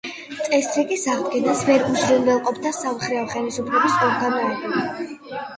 წესრიგის აღდგენას ვერ უზრუნველყოფდა სამხარეო ხელისუფლების ორგანოები.